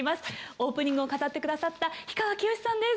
オープニングを飾って下さった氷川きよしさんです。